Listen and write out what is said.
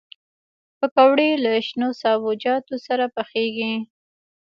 پکورې له شنو سابهجاتو سره پخېږي